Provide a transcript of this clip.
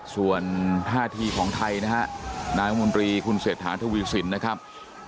ส่วนท่าทีของไทยนะฮะนายมนตรีคุณเศรษฐาทวีสินนะครับ